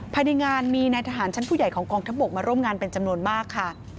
ภายในงานมีนายทหารชั้นผู้ใหญ่ของกองทัพบกมาร่วมงานเป็นจำนวนมากค่ะ